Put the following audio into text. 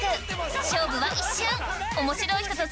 勝負は一瞬！